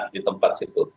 di tempat situ